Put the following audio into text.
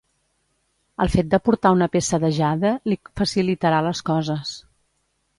El fet de portar una peça de jade li facilitarà les coses.